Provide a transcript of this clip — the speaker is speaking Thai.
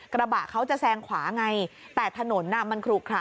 กระบะเขาจะแซงขวาไงแต่ถนนน่ะมันขลุขระ